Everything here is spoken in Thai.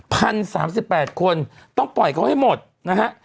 สามสิบแปดคนต้องปล่อยเขาให้หมดนะฮะ